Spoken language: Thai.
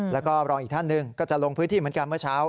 แล้วก็รองอีกท่านหนึ่งก็จะลงพื้นที่เหมือนกันเมื่อเช้า